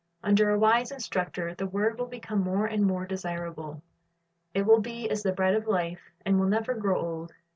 Under a wise instructor the word will become more and more desirable. It will be as the bread of life, and will never grow old.